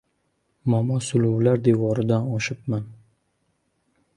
Momosuluvlar devoridan oshibman.